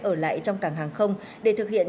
ở lại trong cảng hàng không để thực hiện